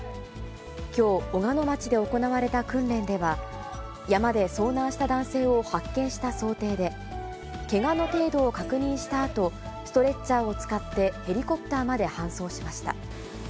きょう、小鹿野町で行われた訓練では、山で遭難した男性を発見した想定で、けがの程度を確認したあと、ストレッチャーを使ってヘリコプターまで搬送しました。